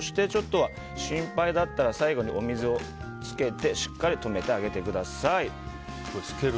心配だったら最後にお水をつけてしっかりとめてあげてください。